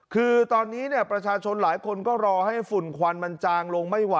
คือตอนนี้ประชาชนหลายคนก็รอให้ฝุ่นควันมันจางลงไม่ไหว